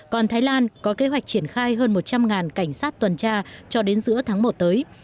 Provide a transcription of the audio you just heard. còn thái lan có kế hoạch triển khai hơn một trăm linh cảnh sát tuần tra cho đến giữa tháng một tới